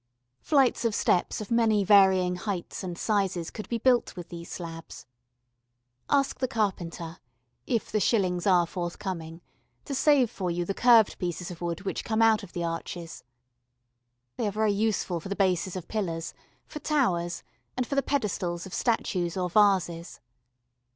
Flights of steps of many varying heights and sizes could be built with these slabs. Ask the carpenter if the shillings are forthcoming to save for you the curved pieces of wood which come out of the arches. They are very useful for the bases of pillars, for towers and for the pedestals of statues or vases.